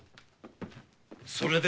それで？